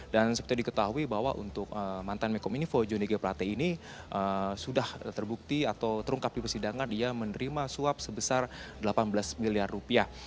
dan seperti diketahui bahwa untuk mantan mekomunifo johnny geprate ini sudah terbukti atau terungkap di persidangan dia menerima suap sebesar delapan belas miliar rupiah